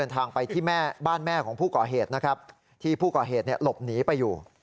ที่ผู้ก่อเหตุหลบหนีไปอยู่